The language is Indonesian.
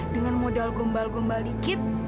dengan modal gombal gombal dikit